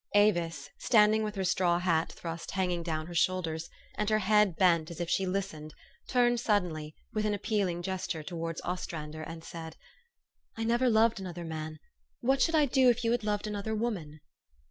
Avis, standing with her straw hat thrust hanging down her shoulders, and her head bent as if she listened, turned suddenly, with an appealing gesture, towards Ostrander, and said, " I never loved another man. What should I do if you had loved another woman?